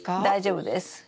大丈夫です。